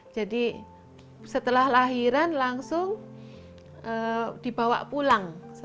jadi setelah lahiran langsung dibawa pulang